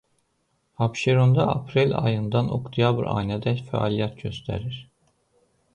Abşeronda aprel ayından oktyabr ayınadək fəaliyyət göstərir.